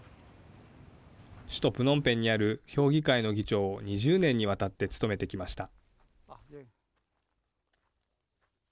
首都プノンペンにある評議会の議長を２０年にわたって務めてきました。